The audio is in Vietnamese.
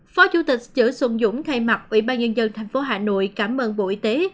phó chủ tịch chữ xuân dũng thay mặt ubnd tp hà nội cảm ơn bộ y tế